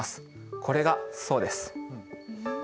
これがそうです。